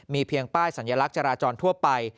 เพียงป้ายสัญลักษณ์จราจรทั่วไป